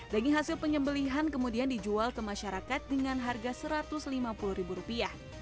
daging hasil penyembelihan kemudian dijual ke masyarakat dengan harga satu ratus lima puluh ribu rupiah